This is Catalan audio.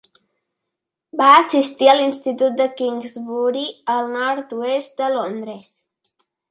Va assistir a l'institut de Kingsbury al nord-oest de Londres.